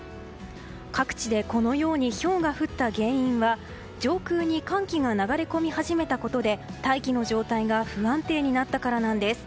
各地でこのようにひょうが降った原因は上空に寒気が流れ込み始めたことで大気の状態が不安定になったからなんです。